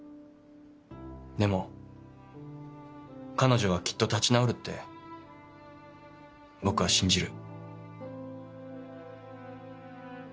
でも彼女はきっと立ち直るって僕は信じる。